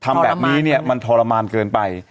ทำแบบนี้เนี่ยมันทรมานเกินไป